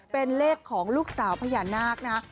เป็นเลขของลูกสาวพญานาคนะฮะ